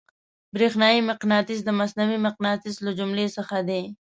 برېښنايي مقناطیس د مصنوعي مقناطیس له جملې څخه دی.